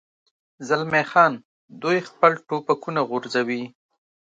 زلمی خان: دوی خپل ټوپکونه غورځوي.